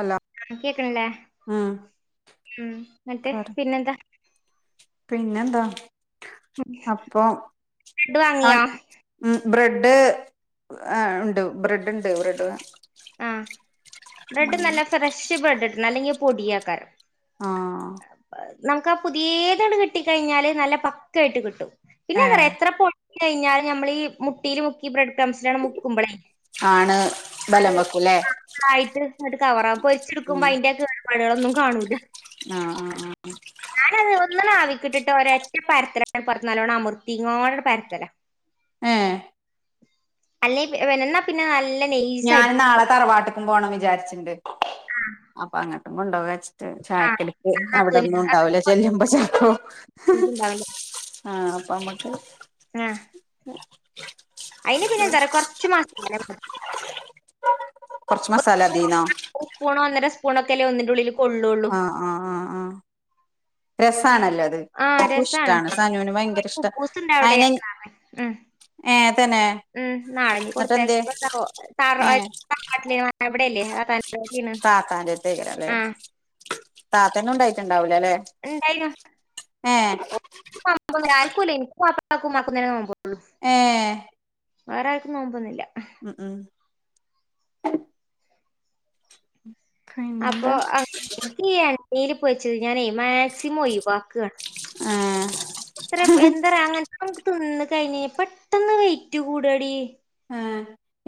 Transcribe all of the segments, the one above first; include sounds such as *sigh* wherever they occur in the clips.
അല്ല ആഹ് കെക്കണില്ലേ ഉം മ് എന്നിട്ട് പറ പിന്നെന്താ പിന്നെന്താ അപ്പം ബ്രെഡ് ആ വാങ്ങിയോ മ് ബ്രെഡ് ഇണ്ട് ബ്രെഡ് ഇണ്ട് ബ്രെഡ് വേ ആഹ ബ്രെഡ് നല്ല ഫ്രഷ് ബ്രെഡ് കിട്ടണം അല്ലെങ്കിൽ പൊടിയെക്കാരം ആഹ നമുക്ക് ആാാ പുതീയതാണ്ട് കിട്ടി കഴിഞ്ഞാല് നല്ല പക്കായിട്ട് കിട്ടും പിന്നെ എന്താറിയോ എത്രപ്പോ കഴിഞ്ഞാല് നമ്മള് ഈ മുട്ടീല് മുക്കി ബ്രെഡ് ക്രംസിലാണ്ട് മുക്കുമ്പളേ ആണ് ബലം വെക്കൂല്ലേ അതായിട്ട് കവറാ പൊരിച്ച്ടുക്കുമ്പോ അയിന്റെ കേട്പാടുകളൊന്നും കാണൂല ആഹ ആഹ ആഹ ഞാനത് ഒന്നാണ്ട് ആവിക്കിട്ടിട്ട് ഒരൊറ്റ പരത്തലാണ്ട് പരത്തും നല്ലോണം അമർത്തികാണ്ടാണ്ട് പരത്തലാ ഏ അല്ലേ *inaudible* പിന്നെ നല്ല നെയ് ഞാനും നാളെ തറവാട്ട്ക്കും പോണം വിചാരിച്ച്ണ്ട് ആഹ അപ്പം അങ്ങട്ടും കൊണ്ടോവാച്ച് ചായക്കടിക്ക് നാത്തൂന് അവിടൊന്നും ഉണ്ടാവൂല ചെല്ലുമ്പോ ചാ ഉണ്ടാവില്ല ആഹ് അപ്പമ്മക്ക് ഏ അയിന് പിന്നെ എന്താ അറയോ കൊറച്ച് മസാലമതി കൊറച്ച് മസാല മതീന്നോ ഒരു സ്പൂണോ ഒന്നര സ്പൂണോ ഒക്കല്ലേ ഒന്നിന്റെ ഉള്ളില് കൊള്ളൊള്ളൂ ആഹ ആഹ ആഹ് രസാണല്ലോ അത് ആഹ എനിക്കും രസാണ് ഇഷ്ടാണ് സനുവിന് ഭയങ്കര ഇഷ്ട കുബ്ബൂസ്ണ്ട അവിടെ *inaudible* അയിന് ഏ തന്നെ മ് നാളഞ്ഞ് എന്നിട്ട് എന്ത്യേ കൊടുത്തയക്കുബം എന്താവോ ഏ *inaudible* കാട്ടില എവിടെല്ലേ *unintelligible* ആഹ താത്തെന്നും ഇണ്ടായിട്ടുണ്ടാവൂല ല്ലേ ഇണ്ടെയിനു ഏ ആർക്കുല്ല ഇൻകും വാപ്പാക്കും ഇമ്മാക്കുന്നേ നോമ്പൊള്ളൂ ഏ വേറെ ആർക്കും നോമ്പൊന്നുല്ല മ് മ് അപ്പൊ പിന്നെന്താ ആഹ ഈ എണ്ണീല് പോരിച്ചത് ഞാനേ മാക്സിമം ഒഴിവാക്കാണ് ഏ എത്ര എന്താറിയോ അങ്ങൻതത് തിന്ന് കഴിഞ്ഞാ പെട്ടന്ന് വെയിറ്റ് കൂടാഡി ആഹാ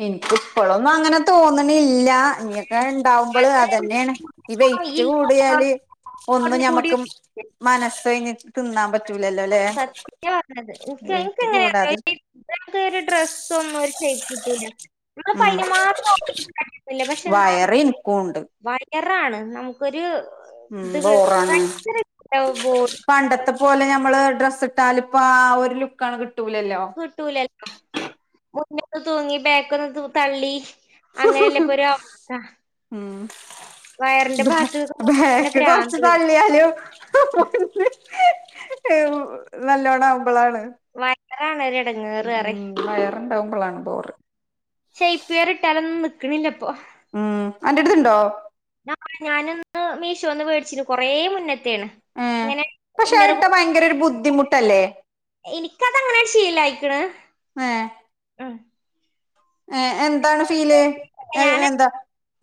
ഇൻക്ക് ഇപ്പോളൊന്നും അങ്ങനെ തോന്ന്ണില്ല ഇനിയൊക്കെ ഇണ്ടാവുമ്പള് അത് അതന്നെയാണ് ഈ വെയിറ്റ് കൂടിയാല് ഒന്നും കൂടി ഞമ്മക്ക് മനസ്സഴിഞ്ഞിട്ട് തിന്നാൻ പറ്റ് പറ്റൂലല്ലൊ ല്ലേ സത്യാ പറഞ്ഞത് ഇൻക്ക് ഇൻക്ക് കൂടാതെ എങ്ങനെയറിയോ നമുക്ക് ഒരു ഡ്രസ് ഒന്നും ഒരു ഷെയ്പ്പ്ട്ടൂല്ല നാപ്പം ഉം അയിന് മാത്രം *unintelligible* പക്ഷെ ഇന്നാലും ഓ ഉണ്ട് കറാണ് നമുക്കൊരു ഉം ഇത് ബോറാണ് ഭയങ്കര ബോഡി പണ്ടത്തെ പ്പ പോലെ ഞമ്മള് ഡ്രസ്സ് ഇട്ടാലിപ്പാ ആ ഒരു ലുക്കാണ്ട് കിട്ടൂലല്ലോ കിട്ടൂലല്ലോ മുമ്പോട്ട് തൂങ്ങി ബേക്കന്ന് തള്ളി. അങ്ങനെയല്ല ഇപ്പൊ ഒരു അവസ്ഥ ഉം വയറിന്റെ ബ ഭാഗത്തേക്ക് നോക്കുമ്പോ തന്നെ ബേക്ക് കൊർച്ച് ഭ്രാന്ത് വരും തള്ളി ന്ന്ലു നല്ലോണം ആവുമ്പളാണ്. വയറാണ് ഒരു എടങ്ങേറ് ഏറ്യും ഉം വയറുണ്ടാവുമ്പളാണ് ബോറ്. ഷെയ്പ് വെയർ ഇട്ടാലൊന്നും നിക്കണില്ലപ്പൊ. ഉം അന്റെ അടുത്ത്ണ്ടോ? ഞാനൊന്ന് മീഷോന്ന് മേടിച്ചിരുന്നു കൊറേ മുന്നത്തേണ് ഏഹ്പക്ഷെ അത്ഇട്ടാ ഭയങ്ക ഓര് ബുദ്ധിമുട്ടല്ലേ എനിക്കത് അങ്ങനാണ്ട് ശീലാലായിക്ക്ണ് ഉം ഏഹ് എന്താണ് ഫീല് ഞാന് എന്താ.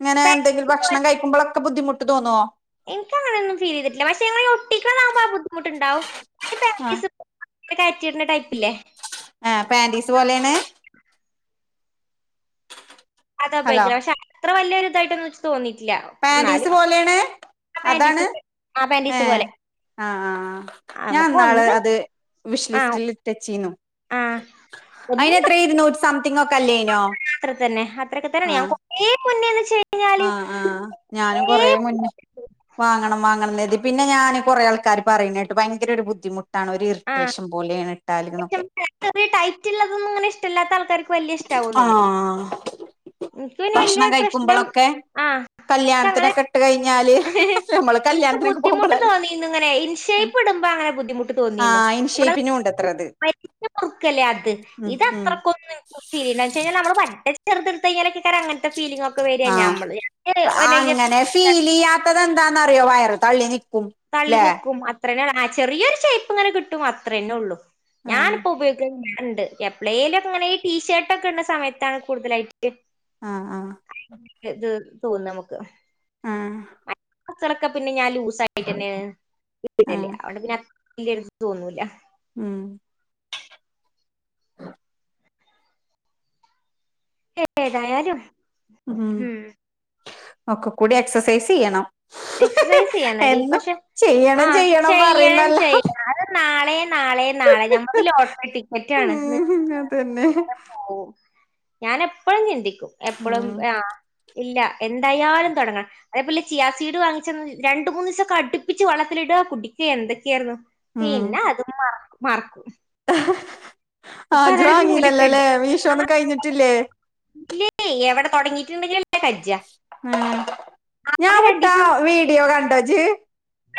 ഇങ്ങന എന്തെങ്കില് പാന്റീസ് ഭക്ഷ കഴിക്കുമ്പൊക്കെ ബുദ്ധിമുട്ട് തോന്നുവോ? എനിക്ക അങ്ങനെയ ഒന്നും ഫീൽ ചെയ്തിട്ടില്ല പക്ഷെ ഒട്ടിക്ക ആഹ് ബുദ്ധിമുട്ടുണ്ടാവും ആ *unintelligible* അ *unintelligible* ടൈപ്പില്ലേ ആഹ് പാന്റിസ് പോലെയാണ്. അതാ ഹലോ ഉപയോഗക്കല് പക്ഷെ അത്ര വലിയോര് ഇതായിട്ടൊന്നു എനിക്ക് തോന്നിട്ടില്ല. പാൻ്റീസ് പോലെയാണ് അതാണ് പോലെ ആ പാന്റീസ് ഏഹ് പോലെ ആഹ് ആഹ് ആ, നമുക്ക് ഞാൻന്നാള് ഒന്ന് അത് വിഷ് ആ ലിസ്റ്റിൽ ഇട്ടെച്ചീനു ആ ഒന്നിനും അതിനന്ത്ര ഇരുനൂ സംതിങ്ങ് ഒക്കെ അല്ലേനോ ആഹ് ഏഹ് മുന്നെ ചെ ആഹ് ആഹ് ഞാനും കൊറേ മുന്നെ. കൊറേ വാങ്ങണം വാങ്ങണം എന്ന് കരുതി പിന്നെ ഞാൻ കൊറേ ആൾക്കാര് പറയിണേട്ട് ഭയങ്കര ഒരു ബുദ്ധിമുട്ടാണ് ഒരു ഇറി ആഹ് ചെറിയ ടൈറ്റള്ളതൊന്നും അങ്ങനെ ഇഷ്ടമില്ലാത്ത ആൾക്കാർക്ക് വലിയ ഇഷ് ആഹ് എനക്ക് പിന്നെ വലിയ ഭക്ഷണം പ്രശ്നം കഴിക്കുമ്പളൊക്കെ ആഹ് കല്യാണത്തിനൊക്കെ ഇട്ട് കഴിഞ്ഞാല് നമ്മള് എനിക്ക് കല്യാണത്തിനൊക്കെ ബുദ്ധിമുട്ട് പോകുമ്പളല്ലേ തോന്നിന്ന് ഇങ്ങനെ ഇൻഷെ പ്പ്ടുമ്പോ അങ്ങനെ ബുദ്ധിമുട്ട് തോന്നിനു ആഹ് ഇൻ ഞമ്മളത് ഷേപ്പിനും ഉണ്ടത്രത് വലിഞ്ഞു മുറുക്കല്ലേ അത് ഉം ഇത് ഉം അത്രക്കൊന്നു പിന്നെന്ന് വച്ചാല് പറ്റെ ചെറുത് എടുത്ത് കഴഞ്ഞാലക്കങ്ങനെ ഫീലിംഗ് ഒക്കെ വരിക നമ്മള് ഫീലെയ്യാത്തത് എന്താന്നറിയോ വയറ് തള്ളി നിക്കും. തള്ളി ല്ലേ നിക്കും അത്രന്നെ ചെറിയൊരു ഷേപ്പ് ഇങ്ങന കിട്ടും അത്രന്നെ ഉള്ളൂ ആ ഞാനിപ്പോ ഉപയോ ണ്ട് എപ്ലേലു അങ്ങനെ ഈ ടീഷർട്ട് ഒക്കെ ഇടണ സമയത്താണ് കൂടുതലായിട്ട്. ആഹ് ആഹ് ഇത് തോന്നുന്നേ നമുക്ക് ആഹ് ച്ചറക്ക പിന്നെ ഞാൻ ലൂസായിട്ടന്നെ ആ ഇടല് അതോണ്ട് പിന്നെ അതില്ലേലും തോന്നൂല. ഉം ഏതായാലും ഉം ഓക്കെ കൂടി എക്സസൈസ് ചെയ്യണം. എക്സസൈസ് ചെയ്യാനോ ഡീ എന്നും പക്ഷെ ചെയ്യണം ആഹ് ചെയ്യണം ചെയ്യ. പറയുന്നല്ലാതെ ഞാന് നാളെ നാളെ നാളെ ഞമ്മക്ക് ലോട്ടറി ടിക്കറ്റാണ്. ഉം അതന്നെ ഞാൻ എപ്പഴും ചിന്തിക്കും എപ്പഴും ഉം ആഹ്. ഇല്ല എന്തായാലും തുടങ്ങണം അതേപോലെ ചിയ ചീട് വാങ്ങിച്ച രണ്ട് മൂന്നീസം ഒക്കെ അടുപ്പിച്ച് വളളത്തിലിട കുടിക്ക എന്തൊക്കെയാര്ന്നു. പിന്നെ അതും മറ മറക്കും. ഇപ്പൊ ആഹ് ജ് അതൊരു വാങ്ങീനല്ലോല്ലേ മൂലക്കുണ്ട് ആഹ് മീഷോന്നും കയിഞ്ഞിട്ടില്ലേ ഇല്ലേ എവടെ തൊടങ്ങിയിട്ട് ഇണ്ടെങ്കില് അല്ലേ കജ്ജ. ഉം ഞാൻ അത് വിട്ടാ വീഡിയോ കണ്ടോ ഇജ്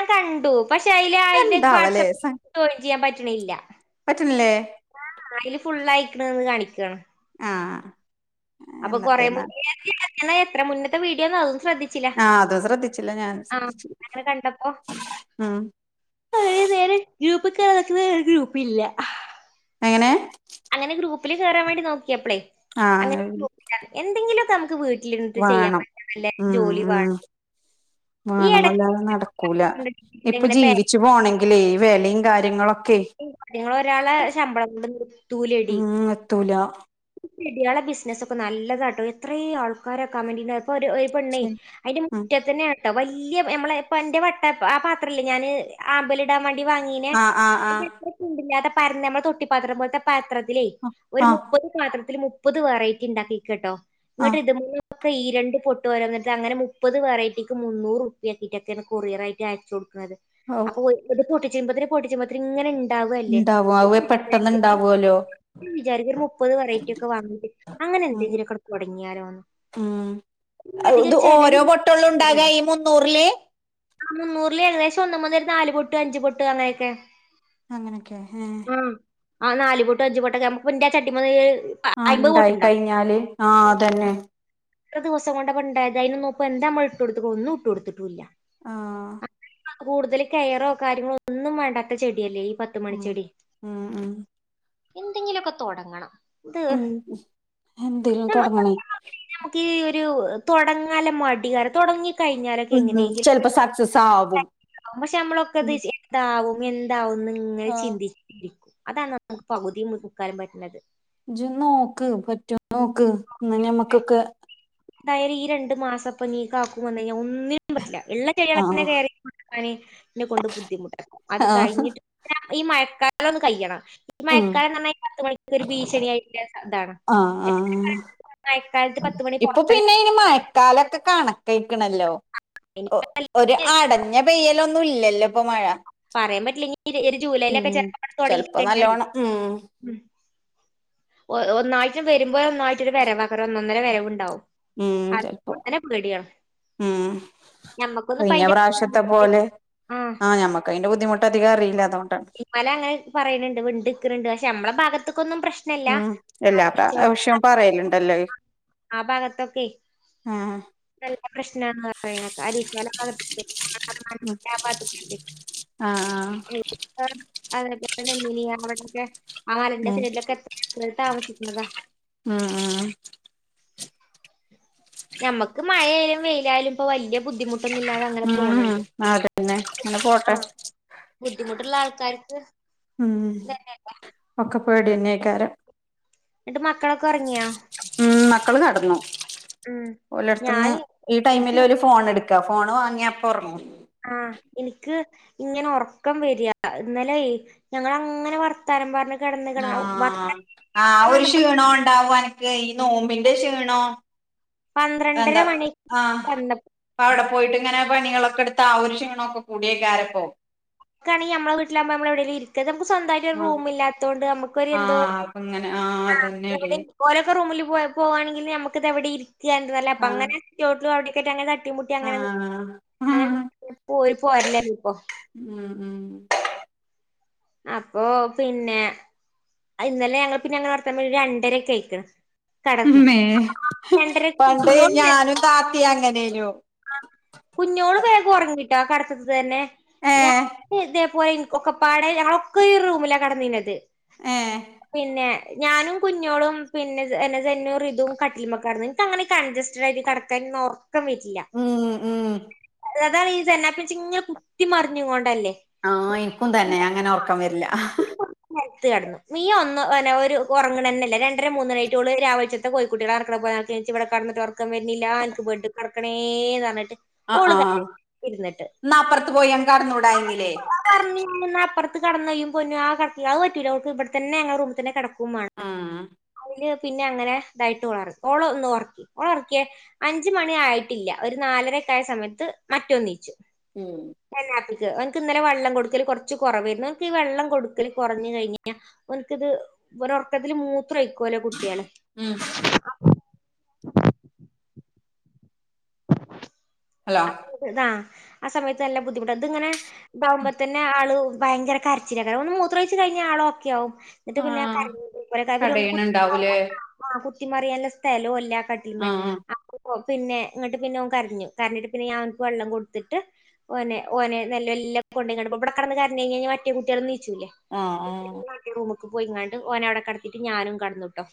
ആഹ് കണ്ടു പക്ഷെ അയില് അയിന്റെ എന്താവലേ വാട്സപ്പിൽ ജോയിൻ ചെയ്യാൻ പറ്റ്ണില്ല പറ്റ്ണില്ലേ ആഹ് അയ്ല് ഫുളളയ്ക്ക്ണ്ന്ന് കാണിക്കാണ് ആഹ് അപ്പൊ കൊറേ മു എ എത്ര മുന്നറ്റത്തെ വീഡിയോന്ന് അത് ശ്രദ്ധി ആഹ് അത് ശ്രദ്ധിച്ചില്ല ഞാന് ശ്രദ്ധിച്ചില്ല അങ്ങനെ ഉം കൊറേ നേരം ഗ്രൂപ്പ് *unintelligible* ഗ്രൂപ്പില്ല എങ്ങനെ? അങ്ങനെ ഗ്രൂപ്പ്ല് കേറാൻ വേണ്ടി നോക്കിയപ്പളെ ആഹ് എന്തെങ്കിലൊക്കെ നമുക്ക് വീ വാണം ഉം ഉം വേണം ഈ വാണം ഇടയ്ക്ക് അല്ലാതെ നടക്കൂല ഇപ്പ ഇങ്ങനെ പാരന്റിങ് ജീവിച്ച് പോണെങ്കില് വെലിം കാര്യങ്ങളൊക്കെ ങ്ങളെ ഒരാളെ ശമ്പളം കൊണ്ട് നിർത്തൂലെടി തുല ചെട്യളെ ബിസ്സ്നസ്സൊക്കെ നല്ലതാട്ടോ എത്രേ ആൾക്കാരാ കമൻ്റിന് ഇപ്പൊര് ഒര് പെണ്ണെയ് ശരി. അയ്ന്റെ ഉം മുറ്റത്തന്നെ ട്ട വല്ല്യ നമ്മളെ ഇപ്പ ഇന്റെ വട്ട പ ആ പത്രല്ലേ ഞാന് ആമ്പല്ടാൻ വേണ്ടി വാങ്ങീ നെ ആഹ് ആഹ് ഒര് ആഹ് അത്ര കുണ്ടില്ലാത്ത പര്ന്ന നമ്മളെ തൊട്ടിപ്പാത്രം പോൽത്തെ പത്രത്തിലെയ് ഒര് മു ആഹ് പ്പത് പാത്രത്തില് മുപ്പത് വെറൈറ്റിണ്ടാക്കിക്കട്ടോ ആഹ് ഇന്നട്ട് ആഹ് ഇതിമ്മല് ഒക്കെ ഈരണ്ട് പൊട്ട് ഓരോന്നെട്ത്ത് അങ്ങനെ മുപ്പത് വെറൈറ്റിക്ക് മുന്നൂറുപ്പ്യാക്കിയിട്ടൊക്കേണ് കൊറിയറയ്റ്റ് അയച്ചൊട്ക്ക്ണത്. ഔ അപ്പൊ ഒന്ന് പൊട്ടിച്ചുമ്പത്തിന് പൊട്ടിച്ചുമ്പത്തിന് ഇങ്ങനെണ്ടാവല്ലെ ഇണ്ടാവും അത് പെട്ടെന്ന് ഇണ്ടാവോലോ വിചാരിക്ക ഒര് മു പ്പത് വെറൈറ്റി ഒക്കെ വാങ്ങീട്ട് ഉം അങ്ങനെന്തെങ്കിലൊക്കാണ്ട് തൊടങ്ങിയാലോന്ന് ഉം ഇത് ഓരോ പൊട്ടൊള്ളുണ്ടാകാ ഈ മുന്നൂറ്ല് ആഹ് മുന്നൂർല് ഏകദേശം ഒന്ന്മ്മന്ന് ര് നാല് പൊട്ട്, അഞ്ച് പൊട്ട് അങ്ങനെക്കെ അങ്ങനെക്കെ ഏഹ് ആഹ് അഹ് നാല് പൊട്ട് അഞ്ച് പൊട്ടൊക്കെ മ്മക്ക് ന്റാ ചട്ടിമ്മന്ന് ആഹ് ണ്ടായി കയ്ഞ്ഞാല് ആഹ് അതന്നെ ഇത്ര ദിവസം കൊണ്ടൊക്കെണ്ടായത് അയ്നൊന്നും പ്പ എന്താ നമ്മള് ഇട്ടൊട്ത്ത്ക്കു ഒന്നും ഇട്ടൊട്ത്ത്ട്ടൂല്ല്യ. ആഹ് കൂടുതൽ കെയറോ കാര്യങ്ങളോ ഒന്നും വേണ്ടാത്ത ചെട്യല്ലേ ഈ പ ത്ത് ഉം മണിച്ചെടി ഉം ഉം എന്തെങ്കിലൊക്കെ തൊടങ്ങണം. ഉം എന്തേലും തൊടങ്ങണേയ് നമക്ക് ഈ ഒരു തൊടങ്ങല മടി കാര തൊടങ്ങി കയിഞ്ഞാലൊക്കെ ഉം എങ്ങനേങ്കിലും ചെലപ്പോ സക്സസ് ആവും പക്ഷെ നമ്മളൊക്കെത് താവും എന്താവുംന്ന്ങ്ങനെ ആഹ് ചിന്തി ഇരിക്കും അതാണ് നമുക്ക് പകുതിം മുക്കാലും പറ്റ്ണത്. ഇജ് നോക്ക് പറ്റോ നോക്ക്? ന്നാ ഞമ്മക്കൊക്കെ എന്തായാലും ഈ രണ്ട് മാസപ്പൊനി കാക്കു വന്നെയ്ഞ്ഞ ഒന്നിനും പറ്റില്ല ഇള്ള ആഹ് ചെടികളൊക്കെന്നെ കെയറിങ്ങ് കൊട്ക്കാന് ഇന്നെ കൊണ്ട് ബുദ്ധിമുട്ടാക്കും അത് ആഹ് കയിഞ്ഞിട്ട് ഈ മഴക്കാലൊന്ന് കയ്യണം ഈ ഉം മഴക്കാലംന്ന് ർഞ്ഞാ പത്ത് മണിക്ക് ഒര് ഭീഷണിയായിട്ട്ള്ള താണ്. ആഹ് ആഹ് മയക്കാലത്ത് പത്ത് മണി പോ ഇപ്പൊ പിന്നെ ഇനി മഴക്കാലൊക്കെ കണക്കയ്ക്ക്ണല്ലോ പുറത്തന്നെ ഒഹ് ഒര് അടഞ്ഞ പെയ്യലൊന്നുല്ലല്ലൊ പ്പ മഴ. പറയാൻ പറ്റില്ല ഇനി ര് ഒര് ജൂലൈലെക്കെ ഉം ചെലപ്പാണ്ട് തൊടങ്ങി ചെലപ്പോ കഴിഞ്ഞാല് നല്ലോണം ഉം ഉം ഒഹ് ഒന്നായിട്ട് വരുമ്പൊയൊന്നായിട്ടൊരു വരവാക്കരം ഒന്നന്നര വരവ്ണ്ടാവും. ഉം ചെൽപ്പൊ ഉം ഞമ്മക്കൊന്നും ഇപ്പൊ കയ്ഞ്ഞ അതിന്റെ പ്രാവ്ശത്തെ പോലെ ആ ആഹ് ഞമ്മ അയ്ന്റെ ബുദ്ധിമുട്ടധികറീല്ല അതോണ്ടാണ്. മല അങ്ങനെ പറയ്ന്ണ്ട് വിണ്ട്ക്ക്ണ് ണ്ട് പക്ഷെ മ്മളെ ഭാഗത്ത്ക്കൊന്നും പ്രശ് ഉം എല്ലാ പ്രാവിശ്യം പറയല്ണ്ടല്ലഹ്. ആഹ് ഭാഗത്തൊക്കെ ആഹ് നല്ല പ്രശ്നാ ന്ന ണ ക്ക ആര് *unintelligible* ഉം ആഹ് ആഹ് *unintelligible* ആറിന്റെ ഉം സൈഡിലൊക്കെ *unintelligible* താമസിക്കുന്നതാ ഉം ഞമ്മക്ക് മഴായാലും വെയ്ലായാലും പ്പൊ വല്ല്യാ ബുദ്ധിമുട്ടൊന്നും ല്ലാതെ അങ്ങനെ ഉം ഉം പോണ്ണ്ട് അതന്നെ അങ്ങനെ ആ പോട്ടെ ബുദ്ധിമുട്ട്ള്ള ആൾക്കാർക്ക് ഉം *unintelligible* ഒക്കെ പേടിന്നേക്കാരം ന്ന്ട്ട് മക്കളൊക്കൊർങ്യോ ഉം മക്കള് കെട്ന്നു ഉം ഓലെട്ത്ത്‌ന്ന് ഞാന് ഈ എനിക്ക് ടൈമിലൊരു ഫോണെട്ക്കാ ഫോണ് വാങ്യാ അപ്പൊർങ്ങും ആ ഇൻക്ക്ങ്ങനെ ഒർക്കം വെരാ ഇന്നലെ ഞങ്ങളങ്ങനെ വർ ത്താനം പർഞ് കെട്ന്ന ആ ആ ഒരു ക്ഷീണോണ്ടാവും അൻക്കെ ഈ നോമ്പിന്റെ ക്ഷീണോ പന്ത്രണ്ടര എന്താ മണി ആ വന്നപ്പക്കാണെങ്കി പ്പവടെ പോയിട്ട് ങ്ങനെ പണിയാളൊക്കെട്ത്ത്‌ ആ ഒര് ശീണോക്കെക്കൂടിയെക്കാരപ്പോ ക്കാണി ഞമ്മളെ വിട്ടിലാവുമ്പോ നമ്മളെവെടെ ഇരി *unintelligible* സൊന്തായ്ട്ട് ഒരു ആഹ് റൂമില്ലാത്തോണ്ട് നമുക്കൊര് എന്തോ ആഹ് അപ്പ ഇങ്ങനെ ആഹ് ആ അതന്നെടി ഓരോക്കെ റൂമ് ല് പോയപ്പോ വാണെങ്കില് നമുക്കത് എവെടെ ഇരിക്യായ്ര്ന്നല്ലോ ആഹ് പ്പങനെ *unintelligible* ട്ടിമുട്ടി അങ്ങനെ ആഹ് അങ്ങനെ പോയി പോർലാ ഇപ്പോ ഉം ഉം അപ്പൊ പിന്നെ അത് ഇന്ലെ ഞങ്ങൾ പിന്നെ ആടെത്തുമ്പോക്ക് രണ്ടരെക്കെയ്ക്ക്ണ് മ്മേ പണ്ട് ഞാനും താത്തീം അങ്ങനേനു ആ കുഞ്ഞോള് വേഗം ഒറ്ങ്ങിട്ടോ ആ കെടത്ത്ത്തെന്നെ ഏഹ് ഞാന് ഇതേ പോയി ഒക്കെപ്പാടെ ഞങ്ങളൊക്കീ റൂമിലാ കെടന്നീന്നത് ഏ പിന്നെ ഞാനും കുഞ്ഞോളും പിന്നെ എന സെന്നും റിദും കട്ടിൽമ്മേ കെടന്ന് ക്ക ങ്ങനെ കൺജസ്റ്റടായിട്ട് കെടക്കാൻന്നൊർക്കം വെര്ല്ല ഉം ഉം അതാണ് *unintelligible* ഇങ്ങനെ കുത്തിമറിഞ്ങൊണ്ടെന്നെ ആ ഇൻക്കും തെന്നെ അങ്ങനെ ഒർക്കം വെര്ല്ല നെൽത്ത് കെട്ന്നു മിയ ഒന്ന് ന്നെ ഒരു ഒറങ്ണെന്നെല്ല രണ്ടര മൂന്നണിയായിട്ടും ഓള് രാവെൾച്ചത്ത്‌ കോയ്ക്കുട്ട്യാള് കെട്ക്ക്ണ പോലെ *unintelligible* ക്കം വര്നില്ലാ ൻക്ക് ബെഡ് കെടക്കണേന്ന് ർഞ്ട്ട് അ ആ ന്നാ അപ്പർത്ത് പോയിയാൻണ്ട് കെട്ന്നൂടായിര്ന്നില്ലേ പറഞ്ഞന്ന് അപ്പർത്ത് കെടന്നോ യ്യും പൊന്നും ആ കട്ട്ല് അത് പറ്റൂല ഓക്ക് ഇവ്ട് തെന്നെ ഞങ്ങളെ റൂമ്ത്തെന്നെ കെട ക്കും വാണം ആഹ് അയ്ല് പിന്നങ്ങനെ തായിട്ട് *unintelligible* ഓളൊർക്ക്യാ അഞ്ച് മണി ആയിട്ടില്ല ഒര് നാലരക്കായ സമയത്ത് മറ്റൊൻ നീച്ച് ഉം എന്നാപ്പിക്ക് ഓൻക്ക് ഇന്നലെ വെള്ളം കൊട്ക്കല് കൊർച്ച് കൊറവെര്ന്നു ഓൻക്കീ വെള്ളം കൊട്ക്കല് കൊർഞ് കയ്ഞ ഓൻക്ക്ത് ഒരൊർക്കത്തില്മൂത്രോയ്ക്കുല്ലോ കുട്ട്യാള് ഉം അപ് ഹലോ ആ ആ സമയത്ത് നല്ല ബുദ്ധിമുട്ടാ ത്ങ്ങനെ താവുമ്പോത്തെന്നെ ആള് ഭയങ്കര കരച്ചിലേക്കാരം ഒന്ന് മൂത്രോയ് ച്ച് കയ്ഞ്ഞാ ആള് ഓക്കെആവും ആഹ് കടയണ് ഇണ്ടാവൂലേ *unintelligible* ആ കുത്തിമറിയാള്ള സ്ഥലോല്ല കട്ടിൽമേ ആഹ് അ പിന്നെ ന്ന്ട്ട് പിന്നെ ഓൻ കരഞ്ഞു കരഞ്ഞിട്ട പിന്നെ ഞാ ഓൻക്ക് വെള്ളം കൊട്ത്തിട്ട് ഓനെ ഓനെ നെല്ലെ നെല്ലെ കൊണ്ട്യ്ങ്ങാണ്ട് ഇവടെ കെടന്ന് കരഞയ് ഞ്ഞ മറ്റേ കുട്ട്യാളും നീച്ചൂല്ലേ ആ ആ ഈ റൂമ്ക്ക് പോയിങ്ങാണ്ട് ഓനവടെ കടത്തിട്ട് ഞാനും കടന്നുട്ടോ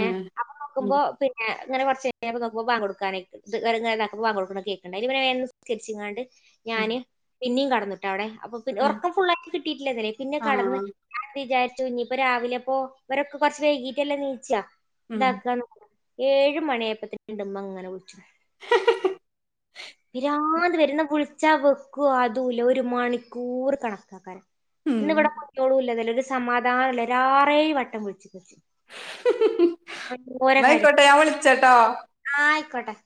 ഏ ഏഹ് അപ്പൊ നോക്കുമ്പോ പി ന്നെ ങ്ങനെകൊർച്ചയ് നോക്ക്മ്പോ ബാങ്ക് കൊടുക്കാനായ്ക്ക്ണ് *unintelligible* അയ്ലെ പിന്നെ വേം നിസ്ക്കരിച്ച്ങ്ങാണ്ട് ഉം ഞാന് പിന്നിം കെട്ന്നു ട്ടോ അവടെ അപ്പൊ പി ആഹ് ഒർക്കം ഫുള്ളായി കിട്ടിട്ടില്ലന്നലെ പിന്നെ കെടന്ന് ആഹ് ഞാൻ വിചാരിച്ചു ഞ്ഞിപ്പോ രാവിലെ പ്പോ ഇവരൊക്കെ കൊർച്ച് വൈകീട്ടല്ലെ നീച്ചാ ഉം ഇതാക്കാൻ ഏഴ് മണിയപ്പത്തേന്ൻ്റുമ്മ അങ്ങനെ വിളിച്ചു - പിരാന്ത് വരും ന്നാ വിളിച്ചാ വെക്വോ അതൂല്ല ഒര് മണിക്കൂർ കണക്കാക്കാരം ഉം ഇന്ന് ഇവ്ടെ കുട്വോളുംല്ല ഒരു സമാധാനുല്ല ഒരാറെയ് വട്ടം വിള്ച്ച് ഓരോ കാര്യം ന്നായിക്കോട്ടെ ഞാൻ വിളിച്ചട്ടോ ആയിക്കോട്ടെ